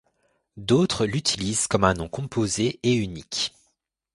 D'autres l'utilisent comme un nom composé et unique.